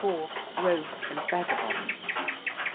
ROGUES AND VAGABONDS.